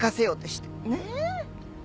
ねえ？